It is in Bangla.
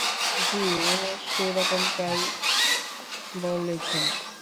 জ্বি, উনি সেরকমটাউই বলেছেন।